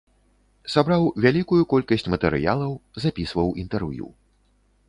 Сабраў вялікую колькасць матэрыялаў, запісваў інтэрв'ю.